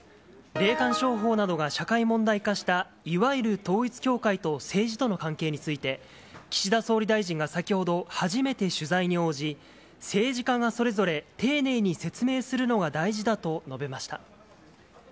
霊感商法などが社会問題化したいわゆる統一教会と政治との関係について、岸田総理大臣が先ほど、初めて取材に応じ、政治家がそれぞれ丁寧に説明するのが大事だと述べました。